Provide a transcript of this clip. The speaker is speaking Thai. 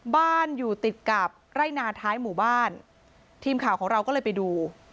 บ้านอยู่ติดกับไร่นาท้ายหมู่บ้านทีมข่าวของเราก็เลยไปดู